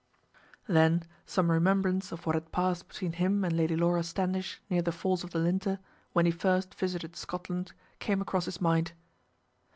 Then some remembrance of what had passed between him and Lady Laura Standish near the falls of the Linter, when he first visited Scotland, came across his mind.